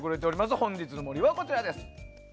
本日の森はこちら。